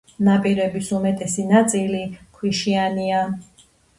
ნაპირების უმეტესი ნაწილი ქვიშიანია.